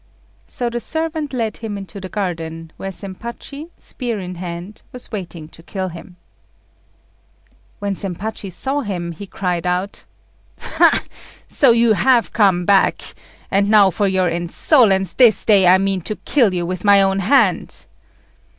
So the servant led him into the garden, where Zempachi, spear in hand, was waiting to kill him. When Zempachi saw him, he cried out "Ha! so you have come back; and now for your insolence, this day I mean to kill you with my own hand."